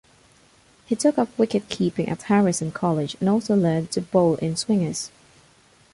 He took up wicket-keeping at Harrison College and also learned to bowl inswingers.